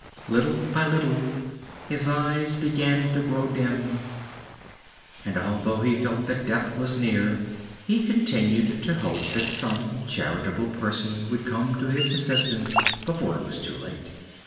Little by little his eyes began to grow dim, but although he felt that death was near he still continued to hope that some charitable person would come to his assistance before it was too late.